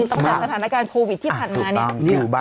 ตั้งแต่สถานการณ์โควิดที่ผ่านมาเนี่ย